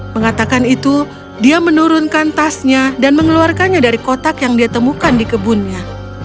mengatakan itu dia menurunkan tasnya dan mengeluarkannya dari kotak yang dia temukan di kebunnya